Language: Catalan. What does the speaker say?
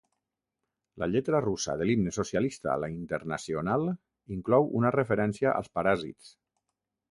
La lletra russa de l'himne socialista "La internacional" inclou una referència als paràsits.